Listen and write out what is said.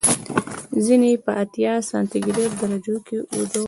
ځینې یې په اتیا سانتي ګراد درجو کې وده کوي.